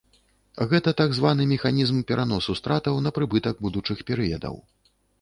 Гэта так званы механізм пераносу стратаў на прыбытак будучых перыядаў.